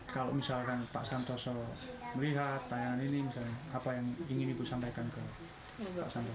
kalau misalkan pak santoso melihat tayangan ini apa yang ingin ibu sampaikan ke pak santoso